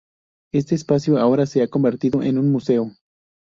Este palacio ahora se ha convertido en un museo.